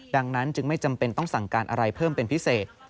ดังนั้นจึงไม่จำเป็นต้องสั่งการอะไรเพิ่มเป็นพิเศษ